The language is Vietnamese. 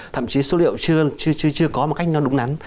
thậm chí số liệu chưa có một cách nó đúng nắn